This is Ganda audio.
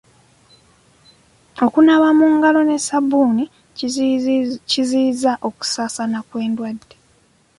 Okunaaba mu ngalo ne sabbuuni kiziyiza okusaasaana kw'endwadde.